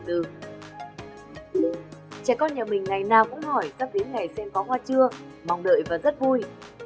trẻ con nhà mình ngày nào cũng hỏi các đến ngày xem có hoa chưa mong đợi và rất vui